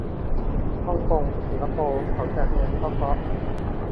ฮ่องกง สิงคโปร์ เขาแจกเงิน ก็เพราะ